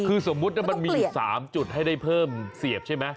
คือสมมุติมันมีอยู่๓จุดให้ได้เพิ่มเสียบใช่ไหม